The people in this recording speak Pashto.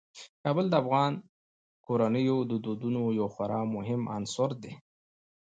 کابل د افغان کورنیو د دودونو یو خورا مهم عنصر دی.